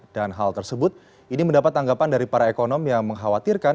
dan hal tersebut ini mendapat anggapan dari para ekonom yang mengkhawatirkan